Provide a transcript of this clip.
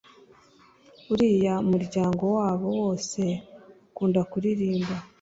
uriya muryango wabo wose ukunda kuririmba